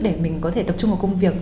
để mình có thể tập trung vào công việc